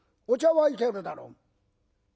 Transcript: お茶はいけるだろ。